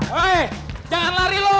hei jangan lari lo